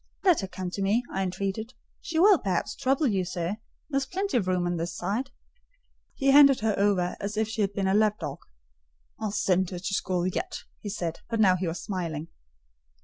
"Let her come to me," I entreated: "she will, perhaps, trouble you, sir: there is plenty of room on this side." He handed her over as if she had been a lapdog. "I'll send her to school yet," he said, but now he was smiling.